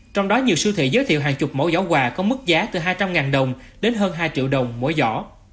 trong đó nhiều siêu thị giới thiệu hàng chục mẫu giỏ quà có mức giá từ hai trăm linh đồng đến hơn hai triệu đồng mỗi giỏ